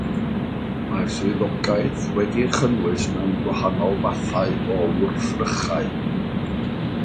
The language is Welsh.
Mae'r swyddogaeth wedi'i chynnwys mewn gwahanol fathau o wrthrychau.